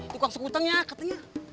tukang sakutangnya katanya